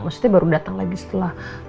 maksudnya baru datang lagi setelah